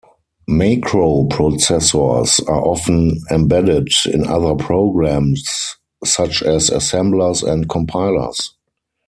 Macro processors are often embedded in other programs, such as assemblers and compilers.